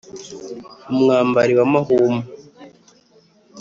umwambari wa mahuma